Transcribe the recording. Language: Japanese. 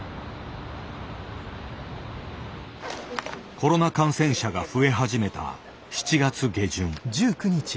コロナ感染者が増え始めた７月下旬。